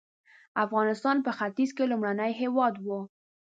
افغانستان په ختیځ کې لومړنی هېواد و.